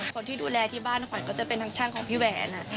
คนที่ดูแลที่บ้านขวัญก็จะเป็นทางช่างของพี่แหวน